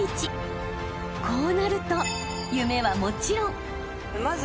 ［こうなると夢はもちろん］